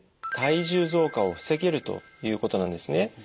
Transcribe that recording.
体重増加を防げるということなんですね。